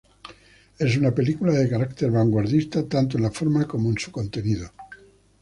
Es una película de carácter vanguardista, tanto en la forma como en su contenido.